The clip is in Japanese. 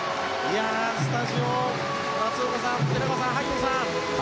スタジオの松岡さん寺川さん、萩野さん。